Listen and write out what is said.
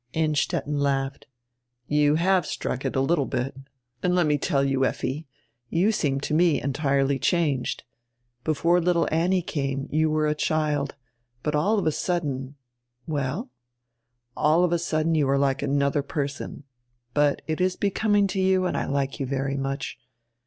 Innstetten laughed. "You have struck it a litde bit. And let me tell you, Efli, you seem to me entirely changed. Before litde Annie came you were a child, but all of a sudden —" "Well?" "All of a sudden you are like anodier person. But it is becoming to you and I like you very much.